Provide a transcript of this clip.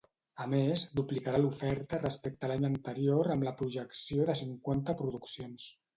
A més, duplicarà l'oferta respecte l'any anterior amb la projecció de cinquanta produccions.